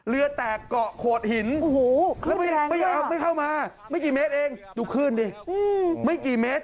เรือแตกเกาะขวดหินไม่เข้ามาไม่กี่เมตรเองดูขึ้นดิไม่กี่เมตร